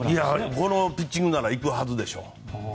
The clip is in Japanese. このピッチングなら行くはずでしょう。